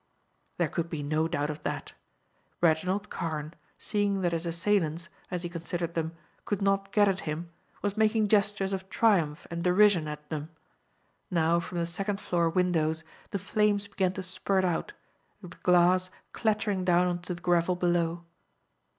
There could be no doubt of that. Reginald Carne, seeing that his assailants, as he considered them, could not get at him, was making gestures of triumph and derision at them. Now from the second floor windows, the flames began to spurt out, the glass clattering down on to the gravel below.